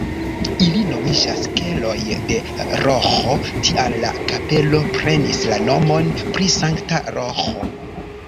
Ili nomiĝas keloj de Roĥo, tial la kapelo prenis la nomon pri Sankta Roĥo.